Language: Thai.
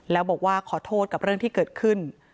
แล้วบอกว่าขอโทษกับเรื่องที่เกิดขึ้น